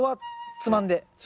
つまんで。